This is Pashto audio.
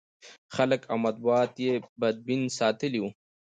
خلک او مطبوعات یې بدبین ساتلي و.